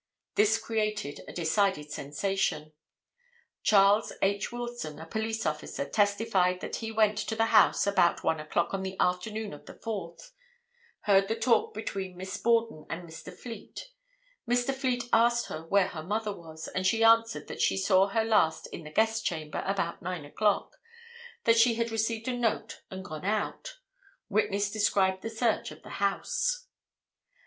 This created a decided sensation. Charles H. Wilson, a police officer, testified that he went to the house about 1 o'clock on the afternoon of the 4th; heard the talk between Miss Borden and Mr. Fleet; Mr. Fleet asked her where her mother was, and she answered that she saw her last in the guest chamber about 9 o'clock; that she had received a note and gone out; witness described the search of the house.